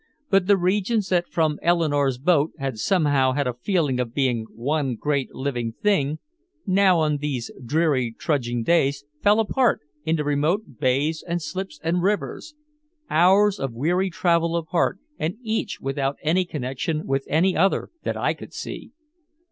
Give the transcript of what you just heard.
But the regions that from Eleanore's boat had somehow had a feeling of being one great living thing, now on these dreary trudging days fell apart into remote bays and slips and rivers, hours of weary travel apart and each without any connection with any other that I could see.